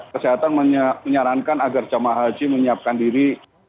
kesehatan menyarankan agar jemaah haji menyiapkan diri